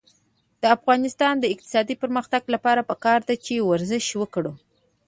د افغانستان د اقتصادي پرمختګ لپاره پکار ده چې ورزش وکړو.